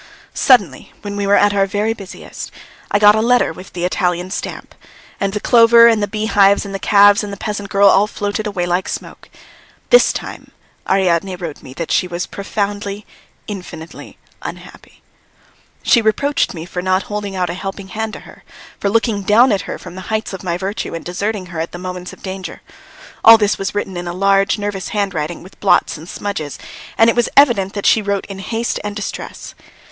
Suddenly when we were at our very busiest, I got a letter with the Italian stamp, and the clover and the beehives and the calves and the peasant girl all floated away like smoke. This time Ariadne wrote that she was profoundly, infinitely unhappy. She reproached me for not holding out a helping hand to her, for looking down upon her from the heights of my virtue and deserting her at the moment of danger. All this was written in a large, nervous handwriting with blots and smudges, and it was evident that she wrote in haste and distress.